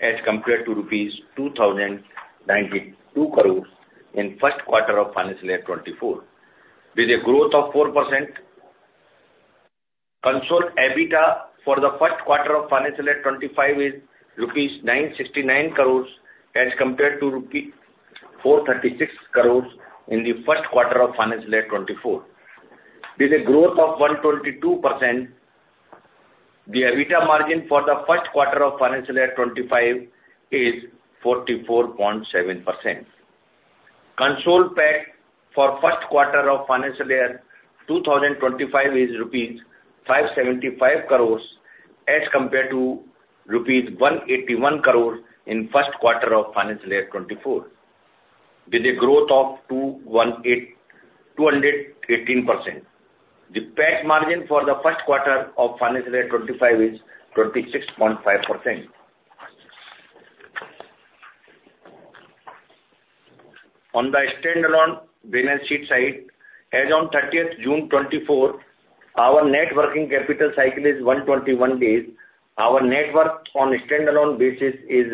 As compared to rupees 2,092 crores in first quarter of financial year 2024, with a growth of 4%. Consolidated EBITDA for the first quarter of financial year 2025 is rupees 969 crores, as compared to rupees 436 crores in the first quarter of financial year 2024, with a growth of 122%. The EBITDA margin for the first quarter of financial year 2025 is 44.7%. Consolidated PAT for first quarter of financial year 2025 is rupees 575 crores, as compared to rupees 181 crore in first quarter of financial year 2024, with a growth of 218%. The PAT margin for the first quarter of financial year 2025 is 26.5%. On the standalone balance sheet side, as on 30th June 2024, our net working capital cycle is 121 days. Our net worth on a standalone basis is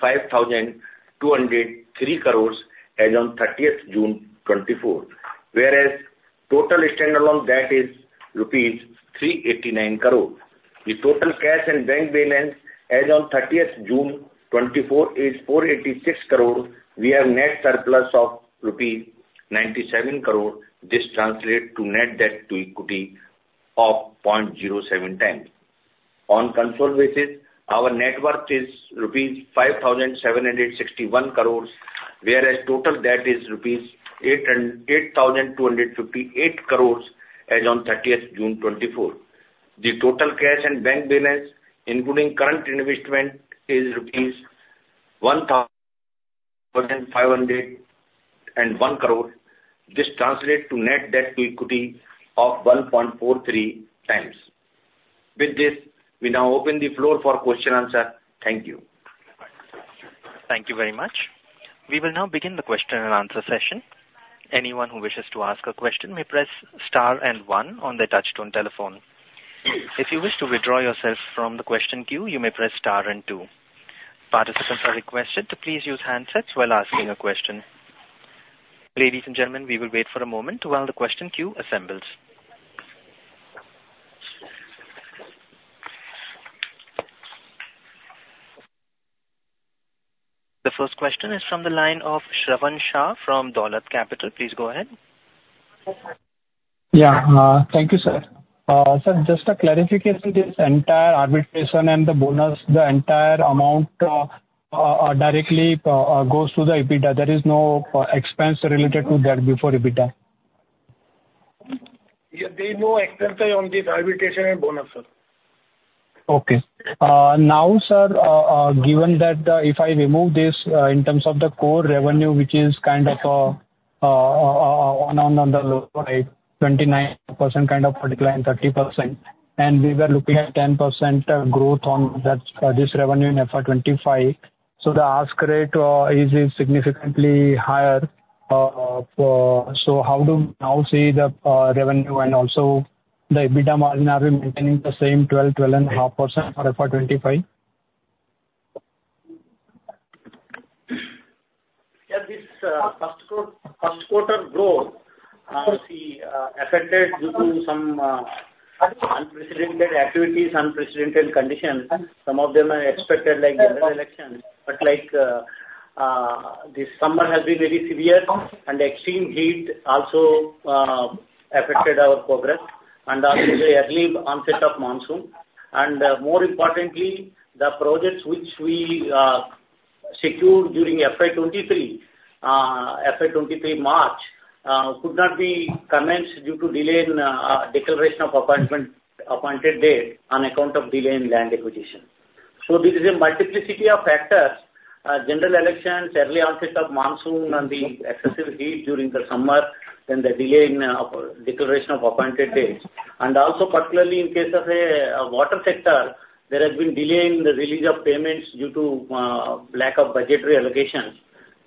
5,203 crore rupees as on 30th June 2024. Whereas, total standalone debt is rupees 389 crore. The total cash and bank balance as on thirtieth June 2024 is 486 crore. We have net surplus of rupee 97 crore. This translates to net debt to equity of 0.07 times. On consolidated basis, our net worth is rupees 5,761 crore, whereas total debt is rupees 8,258 crore as on 30th June 2024. The total cash and bank balance, including current investment, is rupees 1,501 crore. This translates to net debt to equity of 1.43x. With this, we now open the floor for question answer. Thank you. Thank you very much. We will now begin the question and answer session. Anyone who wishes to ask a question may press star and one on their touchtone telephone. If you wish to withdraw yourself from the question queue, you may press star and two. Participants are requested to please use handsets while asking a question. Ladies and gentlemen, we will wait for a moment while the question queue assembles. The first question is from the line of Shravan Shah from Dolat Capital. Please go ahead. Yeah. Thank you, sir. Sir, just a clarification, this entire arbitration and the bonus, the entire amount, directly goes to the EBITDA. There is no expense related to that before EBITDA? Yeah, there is no expense on the arbitration and bonus, sir. Okay. Now, sir, given that, if I remove this, in terms of the core revenue, which is kind of on the low, right, 29% kind of decline, 30%, and we were looking at 10% growth on that, this revenue in FY 2025. So the ask rate is significantly higher. So how do you now see the revenue and also the EBITDA margin? Are we maintaining the same 12%, 12.5% for FY 2025? Yeah, this first quarter growth affected due to some unprecedented activities, unprecedented conditions. Some of them are expected like general election, but like this summer has been very severe, and the extreme heat also affected our progress, and also the early onset of monsoon. And more importantly, the projects which we secured during FY 2023, FY 2023 March, could not be commenced due to delay in declaration of Appointed Date on account of delay in land acquisition. So this is a multiplicity of factors: general elections, early onset of monsoon, and the excessive heat during the summer, then the delay in declaration of Appointed Dates. Also particularly in case of water sector, there has been delay in the release of payments due to lack of budgetary allocations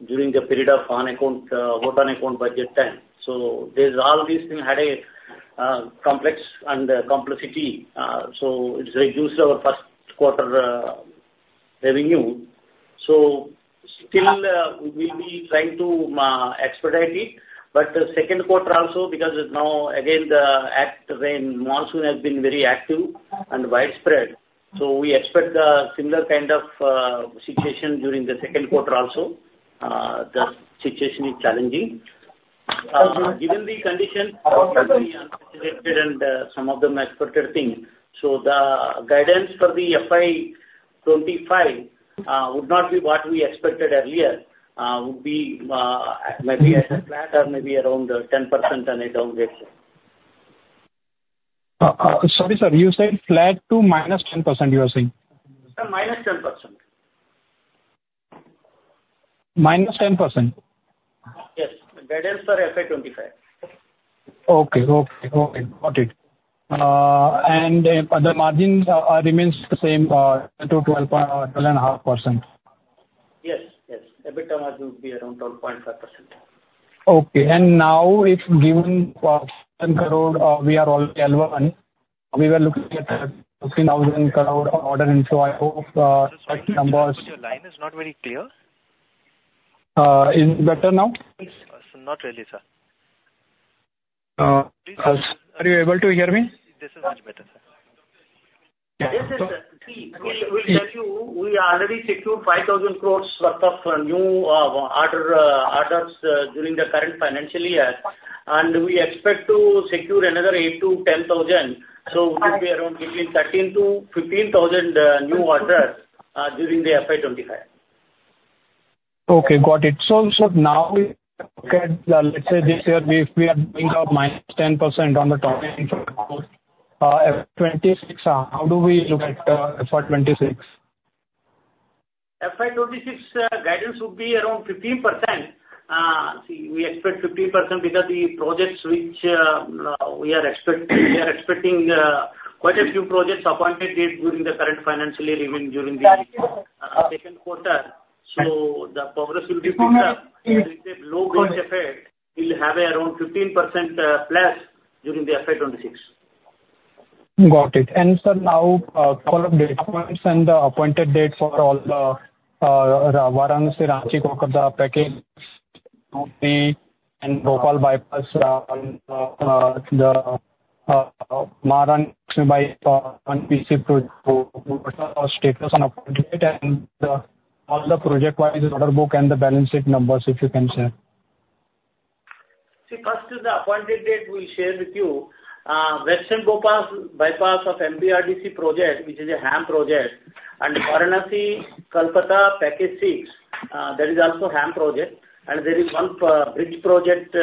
during the period of Vote on Account budget time. So there's all these things had a complex and a complexity, so it reduced our first quarter revenue. So still, we'll be trying to expedite it. But the second quarter also, because now again, the fact when monsoon has been very active and widespread, so we expect a similar kind of situation during the second quarter also. The situation is challenging. Given the conditions, and some of them unexpected things, so the guidance for the FY 2025 would not be what we expected earlier, would be maybe as a flat or maybe around 10% on a downgrade. Sorry, sir, you said flat to -10%, you are saying? Sir, -10%. -10%? Yes. Guidance for FY 2025. Okay. Okay. Okay. Got it. The margins remains the same to 12%-12.5%? Yes, yes. EBITDA margin will be around 12.5%. Okay, now if given INR 10 crore, we are all INR 11 crore, we were looking at INR 15,000 crore of order inflow. So I hope numbers- Your line is not very clear. Is it better now? Not really, sir. Are you able to hear me? This is much better, sir. We'll tell you, we already secured 5,000 crore worth of new orders during the current financial year, and we expect to secure another 8,000-10,000 crore. So it will be around between 13,000-15,000 crore new orders during the FY 2025. Okay, got it. So now we look at, let's say this year, we, we are doing, -10% on the top, FY 2026, how do we look at FY 2026? FY 2026 guidance would be around 15%. See, we expect 15% because the projects which we are expecting quite a few projects appointed date during the current financial year, even during the second quarter. So the progress will be picked up. With the low base effect, we'll have around 15%+ during the FY 2026. Got it. And sir, now, couple of data points and the appointed date for all the Varanasi, Ranchi, Kolkata packages, and Bhopal Bypass, the Maharashtra EPC project. What are our status on appointed date and all the project-wise order book and the balance sheet numbers, if you can share? See, first is the appointed date we'll share with you. Western Bhopal Bypass of MPRDC project, which is a HAM project, and Varanasi-Kolkata, Package Six, that is also HAM project. And there is one bridge project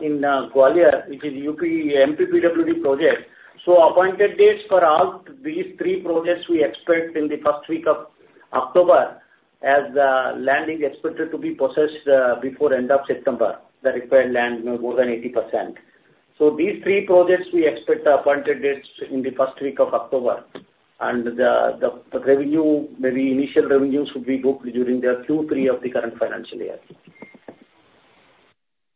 in Gwalior, which is MPPWD project. So appointed dates for all these three projects we expect in the first week of October, as the land is expected to be possessed before end of September. The required land is more than 80%. So these three projects we expect the appointed dates in the first week of October, and the revenue, maybe initial revenues, will be booked during the Q3 of the current financial year.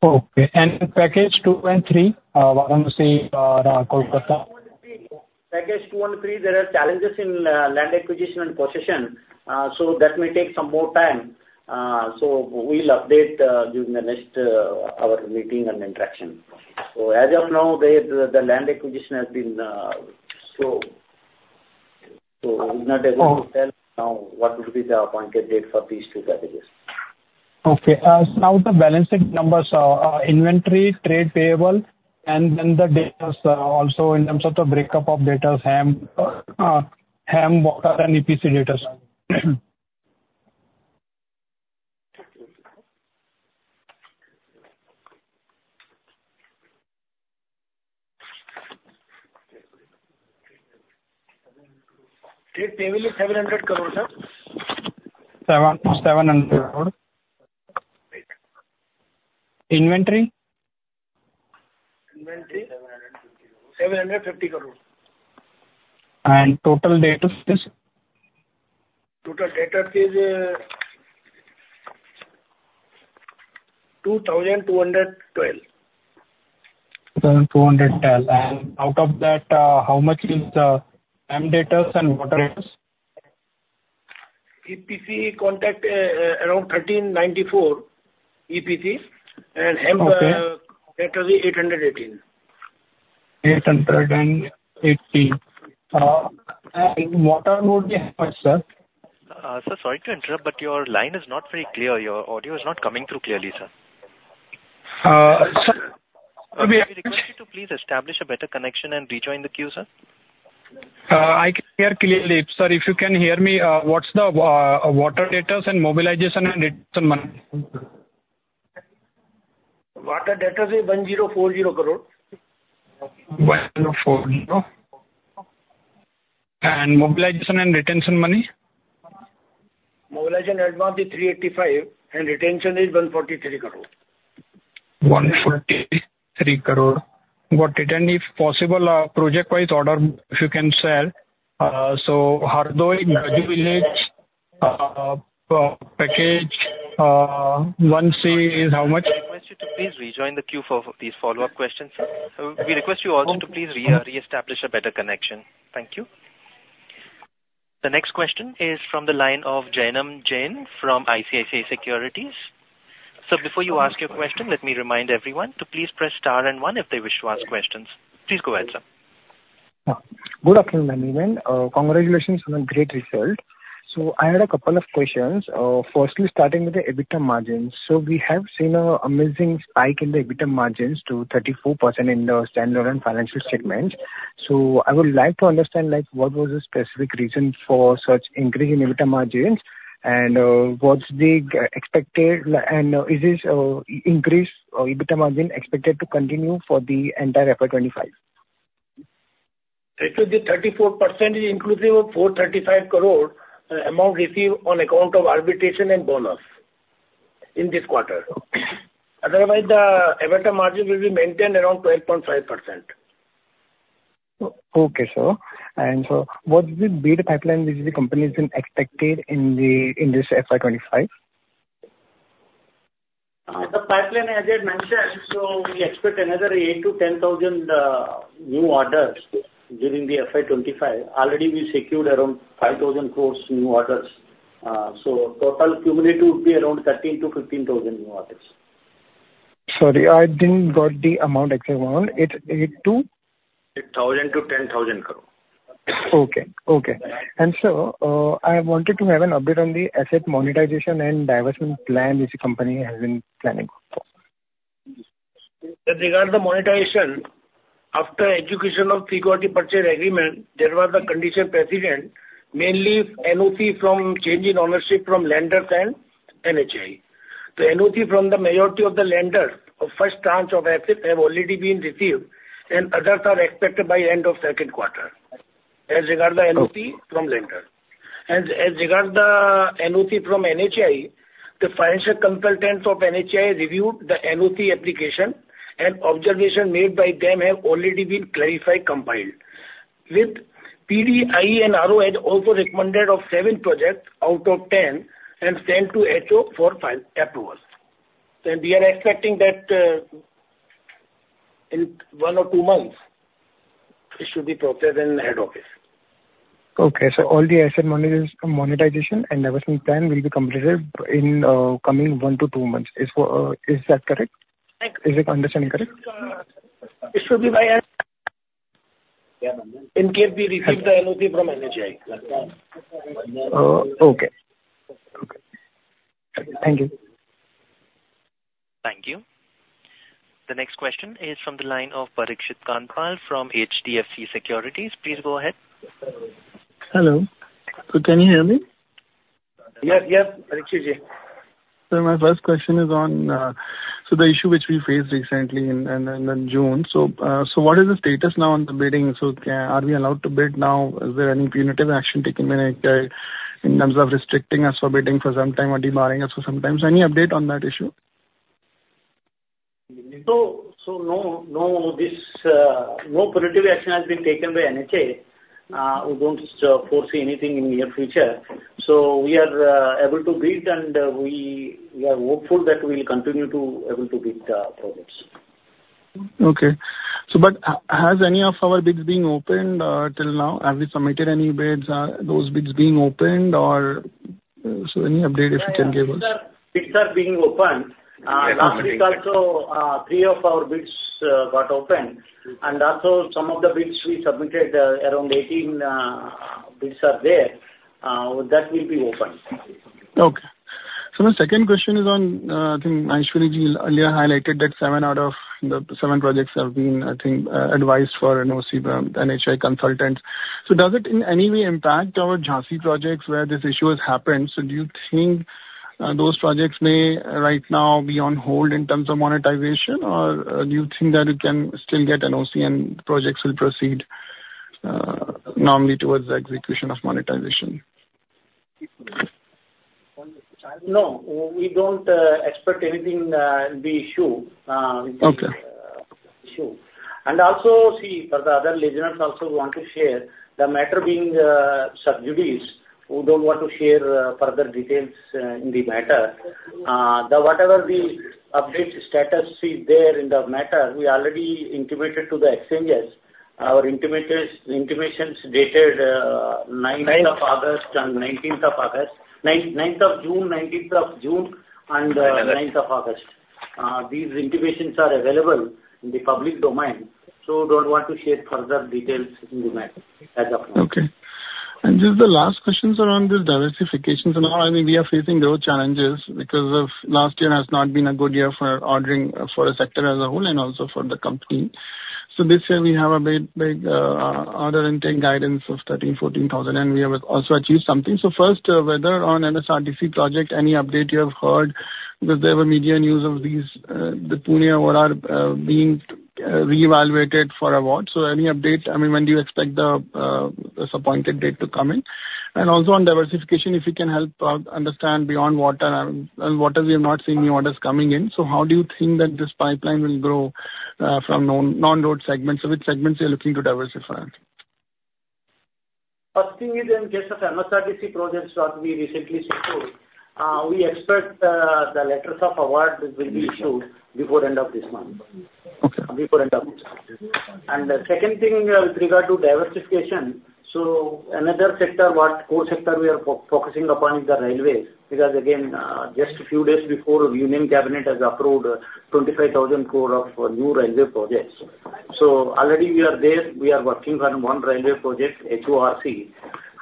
Okay, and Package 2 and 3, Varanasi, Kolkata? Package 2 and 3, there are challenges in land acquisition and possession. So that may take some more time. So we'll update during the next our meeting and interaction. So as of now, the land acquisition has been slow. So I'm not able to tell now what will be the Appointed Date for these two packages. Okay. Now the balance sheet numbers, inventory, trade payable, and then the debtors, also in terms of the breakup of debtors, HAM, water, and EPC debtors. Trade payable is INR 700 crore, sir. INR 700 crore. Inventory? Inventory? INR 750 crore. And total debtors, please? Total debtors is INR 2,212. INR 2,212. And out of that, how much is HAM debtors and water debtors? EPC contract, around 1,394, EPC. Okay. HAM, debtors is 818. INR 818. And water would be how much, sir? Sir, sorry to interrupt, but your line is not very clear. Your audio is not coming through clearly, sir. I request you to please establish a better connection and rejoin the queue, sir. I can hear clearly. Sir, if you can hear me, what's the water debtors and mobilization and retention money? Water debtors is INR 1,040 crore. 1,040 crore. And mobilization and retention money? Mobilization advance is 385 crore, and retention is 143 crore. 143 crore. Got it. And if possible, project-wise order, if you can share. So Hardoi, Najibabad, package 1C is how much? I request you to please rejoin the queue for these follow-up questions, sir. We request you also to please reestablish a better connection. Thank you. The next question is from the line of Jainam Jain from ICICI Securities. So before you ask your question, let me remind everyone to please press star and one if they wish to ask questions. Please go ahead, sir. Yeah. Good afternoon, management. Congratulations on the great result. So I had a couple of questions. Firstly, starting with the EBITDA margins. So we have seen an amazing spike in the EBITDA margins to 34% in the standard and financial segment. So I would like to understand, like, what was the specific reason for such increase in EBITDA margins, and, what's the expected, and is this, increased, EBITDA margin expected to continue for the entire FY 2025? Actually, the 34% is inclusive of 435 crore amount received on account of arbitration and bonus in this quarter. Otherwise, the EBITDA margin will be maintained around 12.5%. Okay, sir. So what's the bid pipeline which the company has been expected in the, in this FY 2025? The pipeline, as I mentioned, so we expect another 8,000 crore-10,000 crore new orders during the FY 2025. Already we secured around 5,000 crore new orders. So total cumulative would be around 13,000-15,000 crore new orders. Sorry, I didn't get the actual amount. It's INR 8,000 to? 8,000 crore-10,000 crore. Okay. Okay. Sir, I wanted to have an update on the asset monetization and divestment plan which the company has been planning. With regard to the monetization, after execution of Security Purchase Agreement, there were the conditions precedent, mainly NOC from change in ownership from lenders and NHAI. The NOC from the majority of the lenders of first tranche of assets have already been received, and others are expected by end of second quarter, as regard the NOC from lender. As regard the NOC from NHAI, the financial consultants of NHAI reviewed the NOC application, and observations made by them have already been clarified, complied. The PD and RO have also recommended seven projects out of 10, and sent to HO for final approval. We are expecting that, in one or two months, it should be processed in the head office. Okay, so all the asset monetization and divestment plan will be completed in coming one to two months. Is that correct? Is my understanding correct? It should be by yes. In case we receive the NOC from NHAI. Okay. Okay. Thank you. Thank you. The next question is from the line of Parikshit Kandpal from HDFC Securities. Please go ahead. Hello. So can you hear me? Yes, yes, Parikshitji. Sir, my first question is on the issue which we faced recently in June. So, what is the status now on the bidding? So, are we allowed to bid now? Is there any punitive action taken by in terms of restricting us for bidding for some time or debarring us for some time? So, any update on that issue? No punitive action has been taken by NHAI. We don't foresee anything in near future. So we are able to bid, and we are hopeful that we'll continue to able to bid projects. Okay. So but has any of our bids been opened till now? Have we submitted any bids? Are those bids being opened or any update, if you can give us? Bids are being opened. Last week also, three of our bids got opened. And also some of the bids we submitted, around 18 bids are there that will be opened. Okay. So the second question is on, I think Maheshwari-ji earlier highlighted that seven out of the seven projects have been, I think, advised for NOC by NHAI consultants. So does it in any way impact our Jhansi projects where this issue has happened? So do you think, those projects may right now be on hold in terms of monetization, or do you think that you can still get NOC and projects will proceed normally towards the execution of monetization? No, we don't expect anything to be issue. Okay. Also, see, for the other litigations also we want to share, the matter being sub judice, we don't want to share further details in the matter. The whatever the update status is there in the matter, we already intimated to the exchanges. Our intimations dated 9th of August and 19th of August, 9th of June, 19th of June, and 9th of August. These intimations are available in the public domain, so don't want to share further details in the matter as of now. Okay. Just the last questions around this diversification. Now, I mean, we are facing growth challenges because last year has not been a good year for ordering for the sector as a whole, and also for the company. So this year we have a big, big, order intake guidance of 13,000-14,000, and we have also achieved something. So first, whether on MSRDC project, any update you have heard? Because there were media news of the Pune award being reevaluated for award. So any update? I mean, when do you expect the appointed date to come in? And also on diversification, if you can help understand beyond water, on water, we are not seeing new orders coming in. So how do you think that this pipeline will grow from non-road segments? So which segments are you looking to diversify in? First thing is, in case of MSRDC projects that we recently secured, we expect the Letters of Award will be issued before end of this month. Okay. Before end of month. The second thing with regard to diversification, another sector, what core sector we are focusing upon is the railways. Because again, just a few days before, Union Cabinet has approved 25,000 crore of new railway projects. Already we are there. We are working on one railway project, HORC,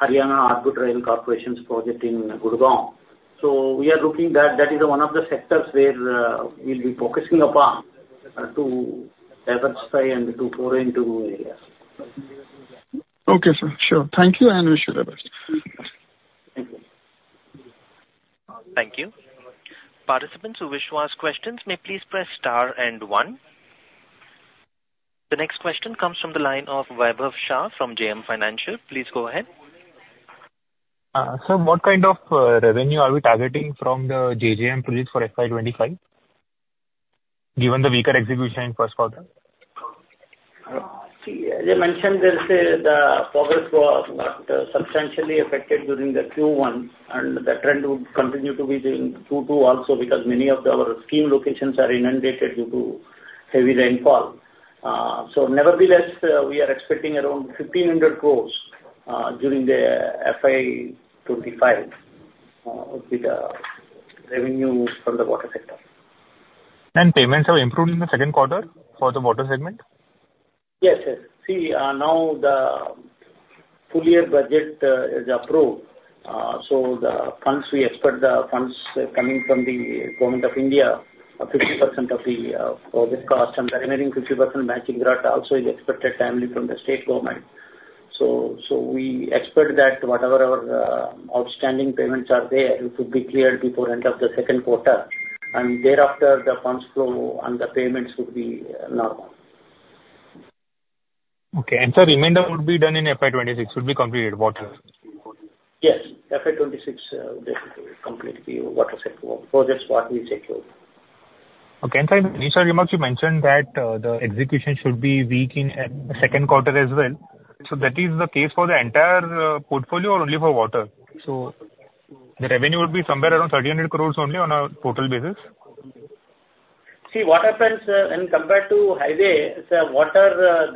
Haryana Orbital Rail Corporation's project in Gurugram. We are looking that, that is one of the sectors where, we'll be focusing upon, to diversify and to foray into new areas. Okay, sir. Sure. Thank you, and wish you the best. Thank you. Thank you. Participants who wish to ask questions may please press star and one. The next question comes from the line of Vaibhav Shah from JM Financial. Please go ahead. So what kind of revenue are we targeting from the JJM project for FY 2025, given the weaker execution in first quarter? See, as I mentioned, the progress was not substantially affected during the Q1, and the trend would continue to be during Q2 also, because many of our scheme locations are inundated due to heavy rainfall. Nevertheless, we are expecting around 1,500 crore during the FY 2025 with the revenue from the water sector. And payments have improved in the second quarter for the water segment? Yes, yes. See, now the full year budget is approved. So the funds, we expect the funds coming from the Government of India, 50% of the project cost, and the remaining 50% matching grant also is expected timely from the state government. So we expect that whatever our outstanding payments are there, it would be cleared before end of the second quarter, and thereafter, the funds flow and the payments would be normal. Okay. And so remainder would be done in FY 2026, will be completed, water? Yes. FY 2026, they will complete the water sector projects what we take over. Okay. Sir, in your remarks, you mentioned that the execution should be weak in second quarter as well. So that is the case for the entire portfolio or only for water? So the revenue will be somewhere around 3,100 crore only on a total basis. See, what happens, when compared to highway, the water,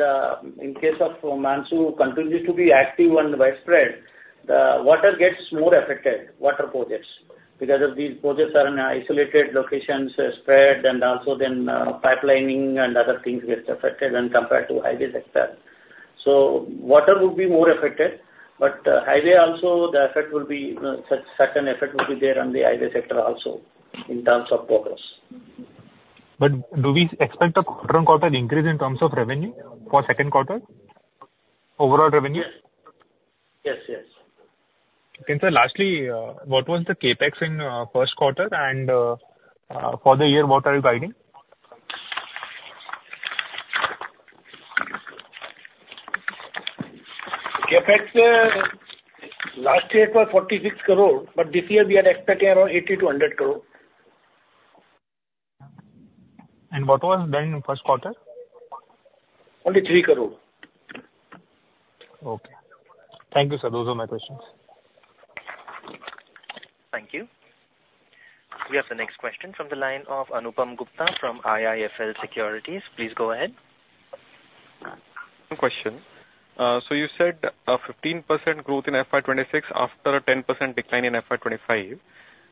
the in case of monsoon continues to be active and widespread, the water gets more affected, water projects, because of these projects are in isolated locations, spread and also then pipelining and other things gets affected when compared to highway sector. So water would be more affected, but, highway also the effect will be, you know, certain effect will be there on the highway sector also in terms of progress. Do we expect a quarter-on-quarter increase in terms of revenue for second quarter? Overall revenue. Yes. Yes, yes. Okay, sir, lastly, what was the CapEx in first quarter, and for the year, what are you guiding? CapEx, last year it was 46 crore, but this year we are expecting around 80 crore-100 crore. What was done in first quarter? Only 3 crore. Okay. Thank you, sir. Those are my questions. Thank you. We have the next question from the line of Anupam Gupta from IIFL Securities. Please go ahead. One question. So you said a 15% growth in FY 2026 after a 10% decline in FY 2025.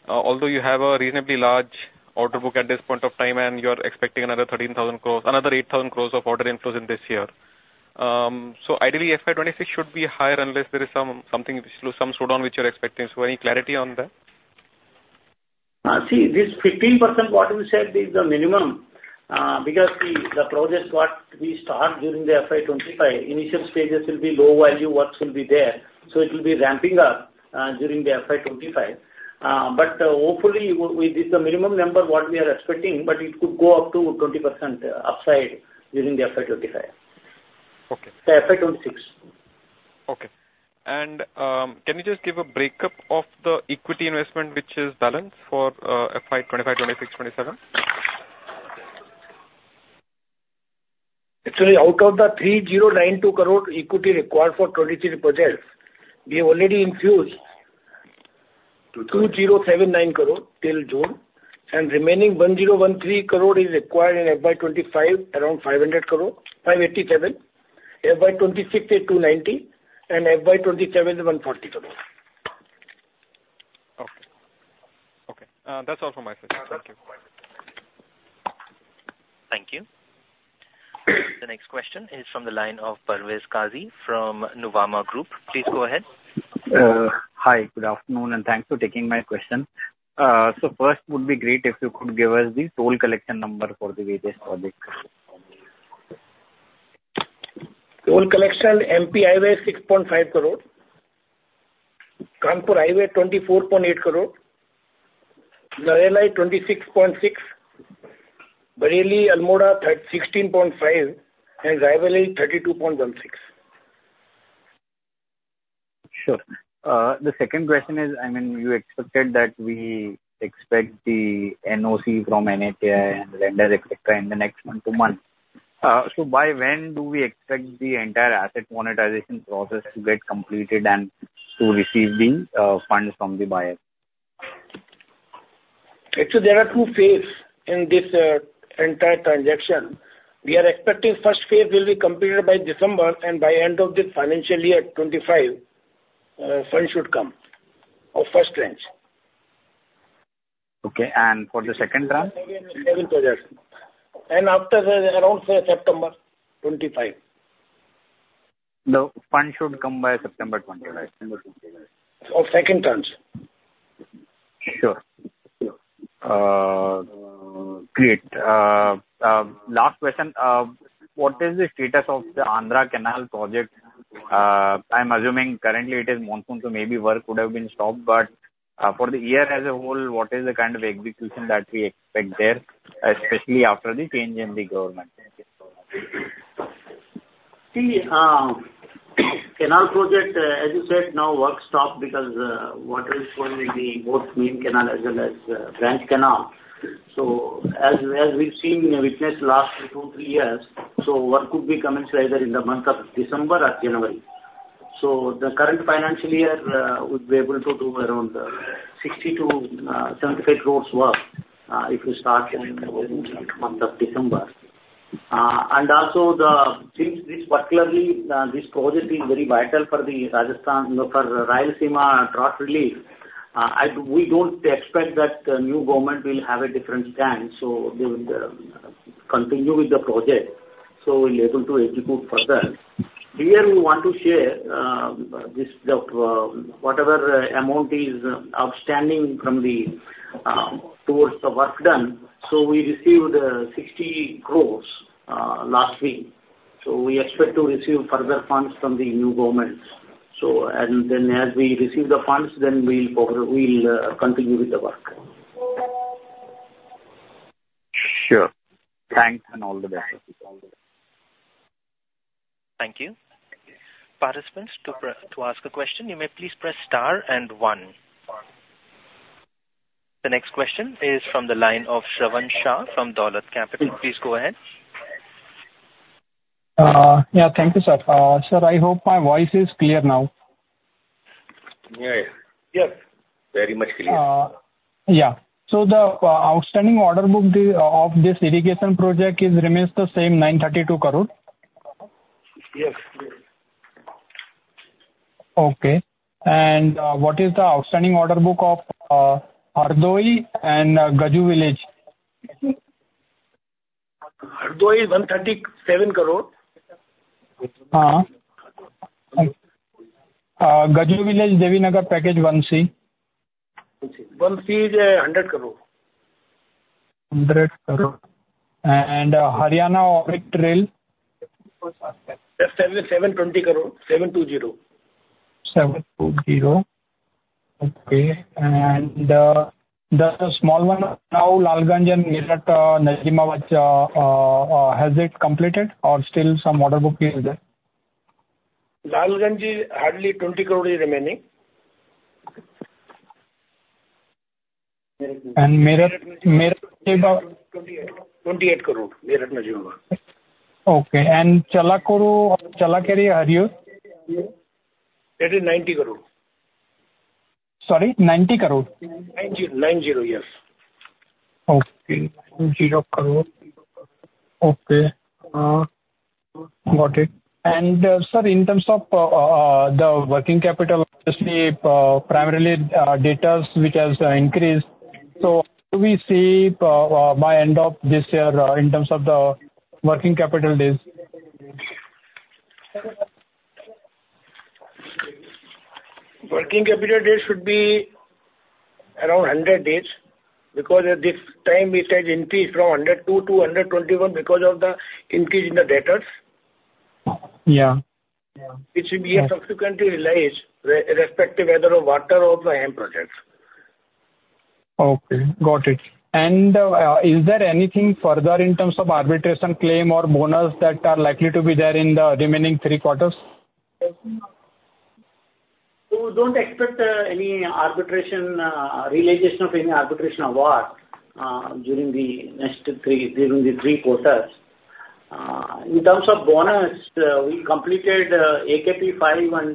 Although you have a reasonably large order book at this point of time, and you're expecting another 13,000 crore, another 8,000 crore of order inflows in this year. So ideally, FY 2026 should be higher unless there is something, some slowdown, which you're expecting. So any clarity on that? See, this 15% what we said is the minimum, because the projects what we start during the FY 2025, initial stages will be low value, works will be there, so it will be ramping up during the FY 2025. But hopefully, with the minimum number what we are expecting, but it could go up to 20% upside during the FY 2025. Okay. FY 2026. Okay. And, can you just give a breakup of the equity investment, which is balanced for FY 2025, 2026, 2027? Actually, out of the 3,092 crore equity required for 23 projects, we have already infused 2,079 crore till June, and remaining 1,013 crore is required in FY 2025, around 500 crore, 587 crore. FY 2026 is 290 crore, and FY 2027, 140 crore. Okay. Okay, that's all from my side. Thank you. Thank you. The next question is from the line of Parvez Qazi from Nuvama Group. Please go ahead. Hi, good afternoon, and thanks for taking my question. So first, would be great if you could give us the toll collection number for the various projects. Toll collection, MP Highways, INR 6.5 crore. Kanpur Highways, INR 24.8 crore. Narela, 26.6 crore. Bareilly-Almora, 16.5 crore, and Ghaziabad-Aligarh, 32.16 crore. Sure. The second question is, I mean, you expected that we expect the NOC from NHAI and lender, et cetera, in the next one to month. So by when do we expect the entire asset monetization process to get completed and to receive the funds from the buyer? Actually, there are two phases in this entire transaction. We are expecting first phase will be completed by December, and by end of the financial year 2025, funds should come. Our first tranche. Okay, and for the second tranche? After that, around, say, September 25. The funds should come by September 25. Of second tranche. Sure. Great. Last question, what is the status of the Andhra Canal project? I'm assuming currently it is monsoon, so maybe work could have been stopped. But, for the year as a whole, what is the kind of execution that we expect there, especially after the change in the government? See, canal project, as you said, now work stop because water is flowing in both main canal as well as branch canal. So as we've seen and witnessed last two to three years, so work could be commenced either in the month of December or January. So the current financial year would be able to do around 60 crores-75 crores work, if we start in the month of December. And also since this particularly this project is very vital for the Rajasthan, you know, for Rayalaseema drought relief, we don't expect that the new government will have a different stance, so they will continue with the project, so we'll able to execute further. Here, we want to share this, the whatever amount is outstanding from the towards the work done, so we received 60 crore last week. We expect to receive further funds from the new governments. And then as we receive the funds, then we'll cover, we'll continue with the work. Sure. Thanks, and all the best. Thank you. Participants, to press to ask a question, you may please press star and one. The next question is from the line of Shravan Shah from Dolat Capital. Please go ahead. Yeah, thank you, sir. Sir, I hope my voice is clear now. Yeah. Yes, very much clear. So the outstanding order book of this irrigation project is remains the same, INR 932 crore? Yes. Okay. What is the outstanding order book of Hardoi and Gajraula? Hardoi, INR 137 crore. Gajraula, Devinagar, Package 1C. 1 C is 100 crore. INR 100 crore. And Haryana Orbital Rail? 720 crore. 720. Okay. And, the small one, now Lalganj and Meerut, Najibabad, has it completed or still some order book is there? Lalganj is hardly INR 20 crore is remaining. Meerut. INR 28 crore, Meerut-Najibabad. Okay. And Challakere-Hiriyur? It is INR INR 90 crore. Sorry, INR 90 crore? 90 crore, yes. Okay, INR 90 crore. Okay, got it. Sir, in terms of the working capital, just the primarily debtors which has increased, so do we see by end of this year in terms of the working capital days? Working capital days should be around 100 days, because at this time it has increased from 102 to 121 because of the increase in the debtors. Yeah. Which we have subsequently realized, irrespective whether of water or the HAM projects. Okay, got it. And, is there anything further in terms of arbitration claim or bonus that are likely to be there in the remaining three quarters? So don't expect any arbitration realization of any arbitration award during the next three quarters. In terms of bonus, we completed AKP-5 and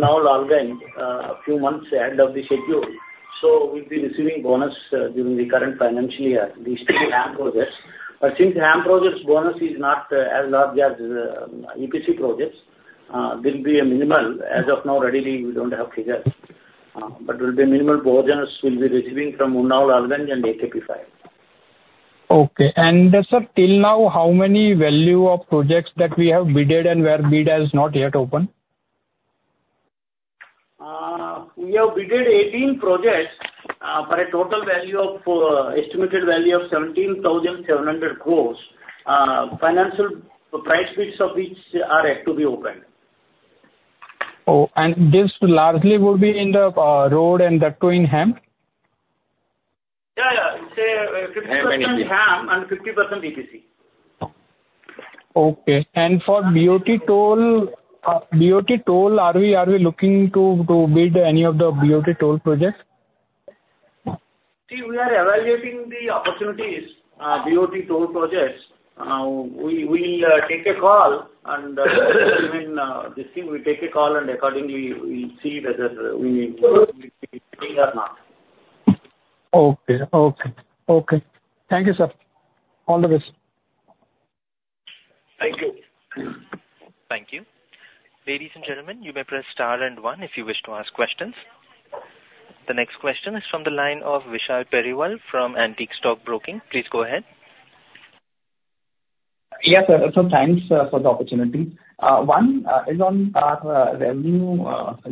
now Lalganj a few months ahead of the schedule, so we'll be receiving bonus during the current financial year, these two HAM projects. But since HAM projects bonus is not as large as EPC projects, there'll be a minimal. As of now, readily, we don't have figures, but there will be minimal bonus we'll be receiving from Unnao, Lalganj and AKP-5. Okay. And, sir, till now, how many value of projects that we have bidded and where bid has not yet opened? We have bidded 18 projects for a total value of estimated value of 17,700 crore. Financial price bids of which are yet to be opened. Oh, and this largely will be in the road and highway HAM? Yeah, yeah. Say, 50% HAM and 50% EPC. Okay. And for BOT toll, are we looking to bid any of the BOT toll projects? See, we are evaluating the opportunities, BOT toll projects. We'll take a call and, I mean, this thing, we'll take a call and accordingly, we'll see whether we need or not. Okay. Okay. Okay. Thank you, sir. All the best. Thank you. Thank you. Ladies and gentlemen, you may press Star and one if you wish to ask questions. The next question is from the line of Vishal Periwal from Antique Stock Broking. Please go ahead. Yes, so thanks for the opportunity. One is on our revenue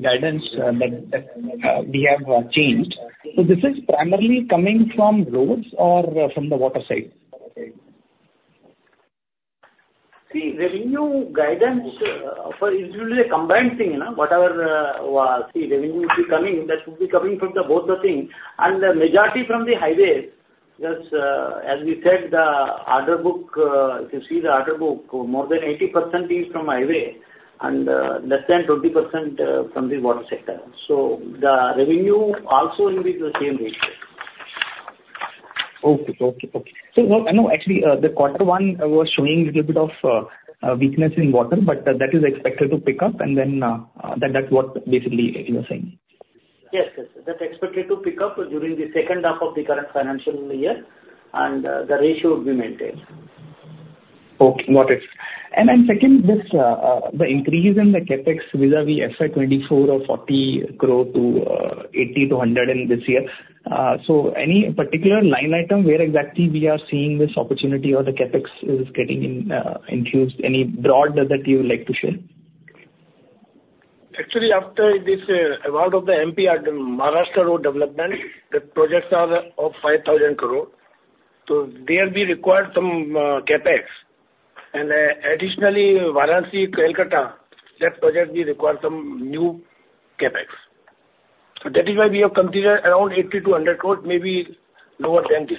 guidance that we have changed. So this is primarily coming from roads or from the water side? See, revenue guidance for it will be a combined thing, you know, whatever, see, revenue will be coming, that should be coming from the both the things, and the majority from the highways, because, as we said, the order book, if you see the order book, more than 80% is from highway and, less than 20%, from the water sector. So the revenue also increase the same ratio. Okay, okay, okay. So no, I know, actually, the quarter one was showing a little bit of weakness in water, but that is expected to pick up, and then that, that's what basically you are saying? Yes, yes. That's expected to pick up during the second half of the current financial year, and the ratio will be maintained. Okay, got it. And then second, just, the increase in the CapEx vis-a-vis FY 2024 or 40 crore to 80 crore-100 crore in this year. So any particular line item where exactly we are seeing this opportunity or the CapEx is getting infused? Any broad that you would like to share? Actually, after this award of the MSRDC, Maharashtra Road Development, the projects are of 5,000 crore. So there we require some CapEx. And additionally, Varanasi to Kolkata, that project we require some new CapEx. So that is why we have considered around 80 crore-100 crores, maybe lower than this.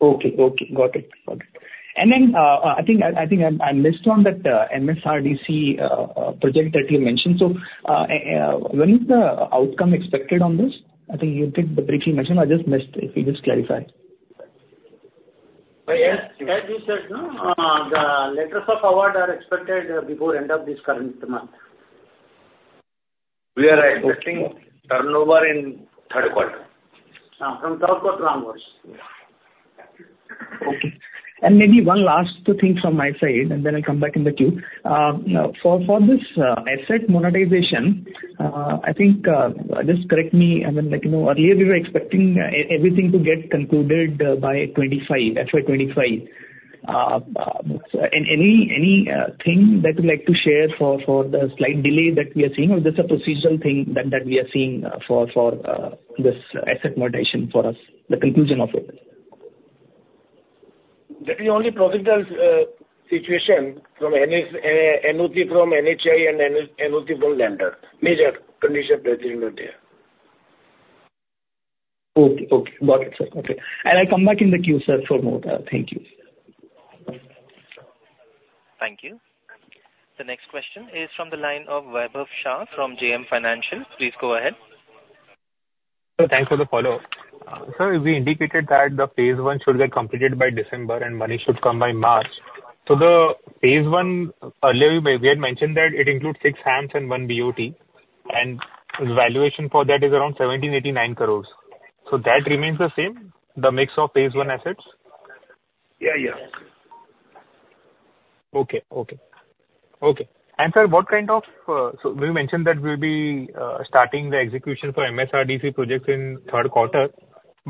Okay, okay. Got it. Got it. And then, I think, I think I missed on that MSRDC project that you mentioned. So, when is the outcome expected on this? I think you did briefly mention. I just missed, if you just clarify. Yes, as you said, no, the Letters of Award are expected before end of this current month. We are expecting turnover in third quarter. From third quarter onwards. Okay. And maybe one last two things from my side, and then I'll come back in the queue. For this asset monetization, I think just correct me, I mean, like, you know, earlier we were expecting everything to get concluded by 2025, FY 2025. So any thing that you'd like to share for the slight delay that we are seeing, or this a procedural thing that we are seeing for this asset monetization for us, the conclusion of it? That is only procedural situation, NOC from NHAI and NOC from lender. Major condition precedent there. Okay, okay. Got it, sir. Okay. And I come back in the queue, sir, for more. Thank you. Thank you. The next question is from the line of Vaibhav Shah from JM Financial. Please go ahead. So thanks for the follow-up. Sir, you indicated that the phase I should get completed by December and money should come by March. So the phase one, earlier we, we had mentioned that it includes six HAMs and one BOT, and valuation for that is around 1,789 crores. So that remains the same, the mix of phase I assets? Yeah, yeah. Okay, okay. Okay, and sir, what kind of... So you mentioned that we'll be starting the execution for MSRDC projects in third quarter,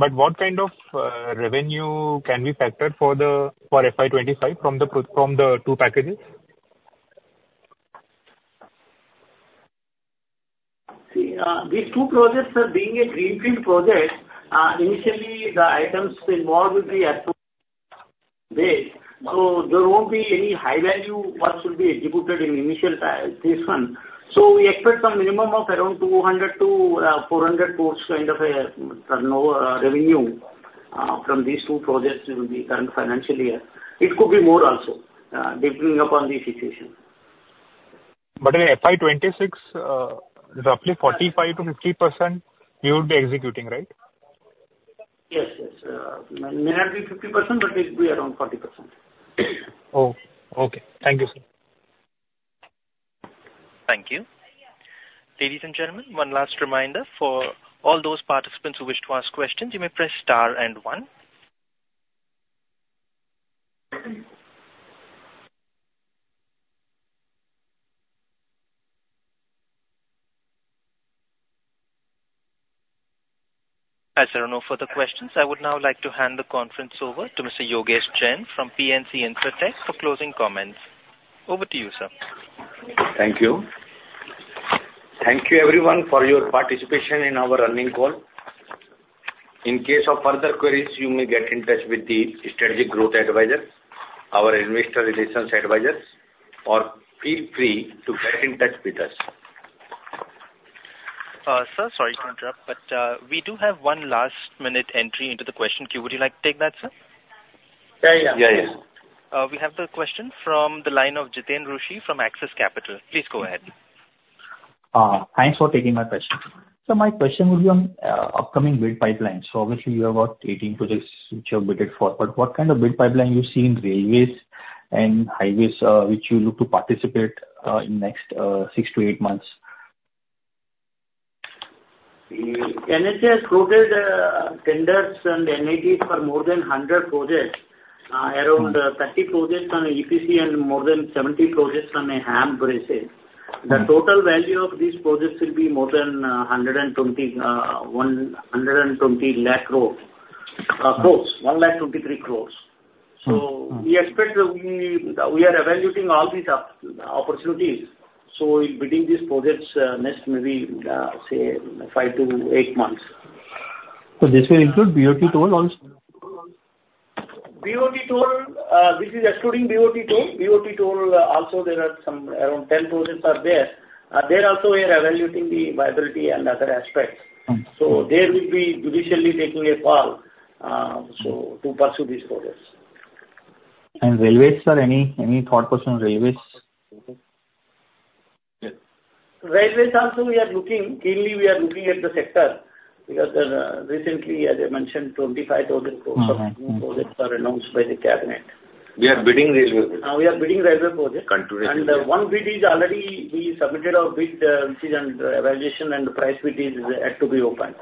but what kind of revenue can we factor for the, for FY 2025 from the two packages? See, these two projects are being a greenfield project, initially the items involved will be as so there won't be any high-value work to be executed in initial this one. So we expect some minimum of around 200 crores-400 crores kind of a turnover, revenue, from these two projects in the current financial year. It could be more also, depending upon the situation. But in FY 2026, roughly 45%-50% you will be executing, right? Yes, yes. May not be 50%, but it'll be around 40%. Oh, okay. Thank you, sir. Thank you. Ladies and gentlemen, one last reminder for all those participants who wish to ask questions, you may press star and one. As there are no further questions, I would now like to hand the conference over to Mr. Yogesh Jain from PNC Infratech for closing comments. Over to you, sir. Thank you. Thank you everyone for your participation in our earnings call. In case of further queries, you may get in touch with the Strategic Growth Advisors, our investor relations advisors, or feel free to get in touch with us. Sir, sorry to interrupt, but we do have one last-minute entry into the question queue. Would you like to take that, sir? Yeah, yeah. We have the question from the line of Jiten Rushi from Axis Capital. Please go ahead. Thanks for taking my question. So my question would be on upcoming bid pipeline. So obviously, you have got 18 projects which you have bid for, but what kind of bid pipeline you see in railways and highways, which you look to participate in next six to eight months? The NHAI has floated tenders and NITs for more than 100 projects, around 30 projects on EPC and more than 70 projects on a HAM basis. The total value of these projects will be more than 1.20 lakh crore, 1.23 lakh crore. So we expect we are evaluating all these opportunities, so we'll be bidding these projects next maybe say five to eight months. So this will include BOT toll also? BOT toll, this is excluding BOT toll. BOT toll, also there are some around 10 projects are there. There also we are evaluating the viability and other aspects. So there will be judiciously taking a call, so to pursue these projects. Railways, sir, any thought process on railways? Railways also we are looking. Mainly, we are looking at the sector, because recently, as I mentioned, 25 projects are announced by the cabinet. We are bidding railways? We are bidding railway projects. Continuing- The one bid is already. We submitted our bid, which is under evaluation, and the price which is yet to be opened.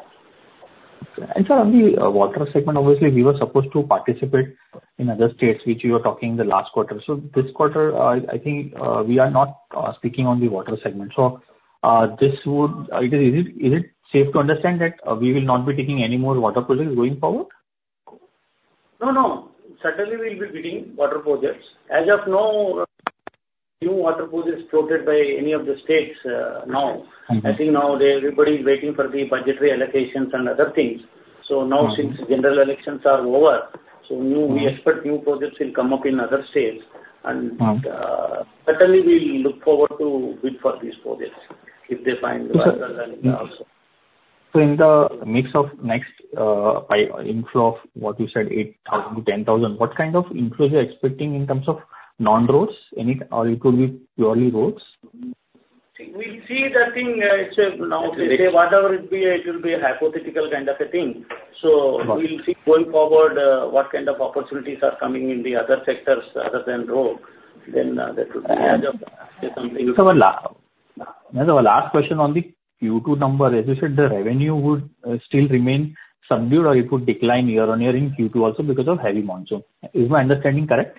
And sir, on the water segment, obviously, we were supposed to participate in other states, which you were talking the last quarter. So this quarter, I think, we are not speaking on the water segment. So, this would... Is it, is it safe to understand that, we will not be taking any more water projects going forward? No, no. Certainly, we'll be bidding water projects. As of now, new water projects floated by any of the states, now. I think now they, everybody is waiting for the budgetary allocations and other things. Now, since general elections are over. So we expect new projects will come up in other states, and certainly, we look forward to bid for these projects if they find... So in the mix of next inflow of what you said, 8,000-10,000, what kind of inflow are you expecting in terms of non-roads, any, or it will be purely roads? We'll see that thing, so now, whatever it be, it will be a hypothetical kind of a thing. Okay. So we'll see going forward what kind of opportunities are coming in the other sectors other than road, then that will be as of, say, something- Sir, one last, sir, one last question on the Q2 number. As you said, the revenue would still remain subdued, or it would decline year-on-year in Q2 also because of heavy monsoon. Is my understanding correct?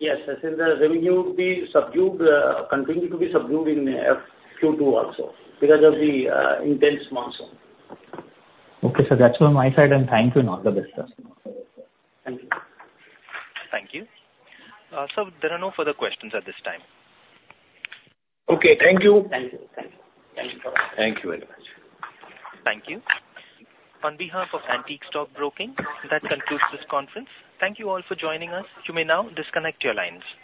Yes. As in the revenue will be subdued, continue to be subdued in Q2 also, because of the intense monsoon. Okay, sir. That's all on my side, and thank you, and all the best, sir. Thank you. Thank you. Sir, there are no further questions at this time. Okay, thank you. Thank you. Thank you very much. Thank you. On behalf of Antique Stock Broking, that concludes this conference. Thank you all for joining us. You may now disconnect your lines.